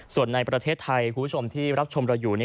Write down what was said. ส่วนในประเทศไทยคุณผู้ชมที่รับชมเราอยู่